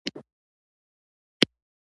غریب د انصاف غوښتونکی وي